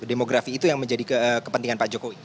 demografi itu yang menjadi kepentingan pak jokowi